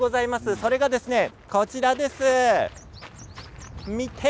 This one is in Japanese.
それがこちらです。